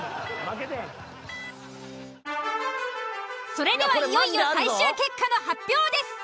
それではいよいよ最終結果の発表です。